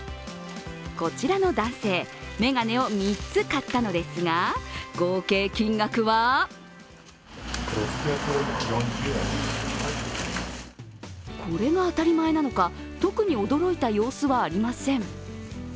こちらの男性、眼鏡を３つ買ったのですが、合計金額はこれが当たり前なのか特に驚いた様子はありません。